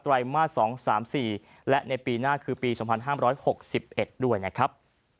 ไรมาส๒๓๔และในปีหน้าคือปี๒๕๖๑ด้วยนะครับ